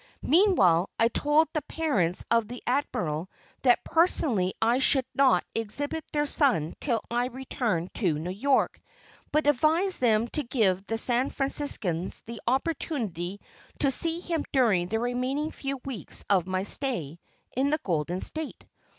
Meanwhile, I told the parents of the Admiral that personally I should not exhibit their son till I returned to New York; but advised them to give the San Franciscans the opportunity to see him during the remaining few weeks of my stay in the Golden State.